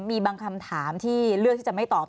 มีบางคำถามที่เลือกที่จะไม่ตอบ